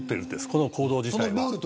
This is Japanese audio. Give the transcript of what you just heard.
この行動自体。